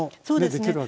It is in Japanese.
そうですね。